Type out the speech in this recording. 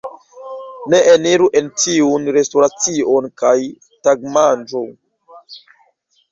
Ni eniru en tiun restoracion, kaj tagmanĝu.